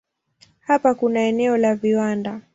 Hapa kuna eneo la viwanda.